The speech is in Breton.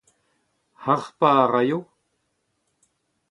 Harpañ a raio ?